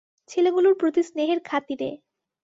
ছেলেগুলোর প্রতি স্নেহের খাতিরে।